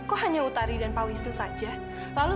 surat penahanan untuk amira itu tidak bisa diberikan oleh pak wisnu